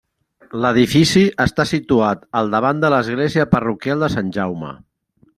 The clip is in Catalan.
L'edifici està situat al davant de l'església parroquial de Sant Jaume.